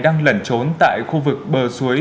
đang lẩn trốn tại khu vực bờ suối